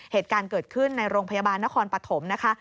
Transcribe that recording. เหตุการณ์เกิดขึ้นในโรงพยาบาลนครปฐมนะคะ